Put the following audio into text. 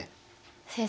先生